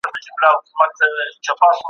ټولنيز نظام په بېلابېلو بڼو منځ ته راغلی دی.